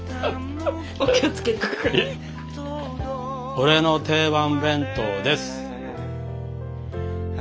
「俺の定番弁当」です。